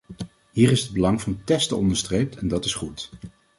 Hier is het belang van testen onderstreept en dat is goed.